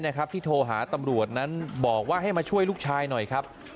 ที่โทรหาตำรวจนั้นบอกว่าให้มาช่วยลูกชายหน่อยครับ